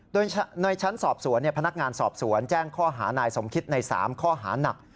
โดยในชั้นสอบสวนพนักงานสอบสวนแจ้งข้อหานายสมคิดใน๓ข้อหานัก